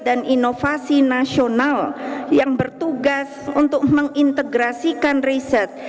dan inovasi nasional yang bertugas untuk mengintegrasikan riset